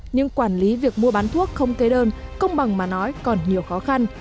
nhưng quản lý việc mua bán thuốc không tế đơn công bằng mà nói còn nhiều khó khăn